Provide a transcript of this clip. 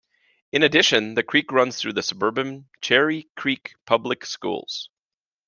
In addition, the creek runs through the suburban Cherry Creek Public Schools.